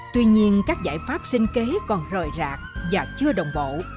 tuy nhiên các giải pháp sinh kế còn rời rạc và chưa đồng bộ